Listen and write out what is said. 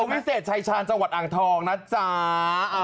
อัพเวิร์ธวิเศษชายชาญจังหวัดอางทองน่าเซา